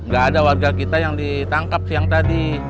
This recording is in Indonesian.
gak ada warga kita yang ditangkap siang tadi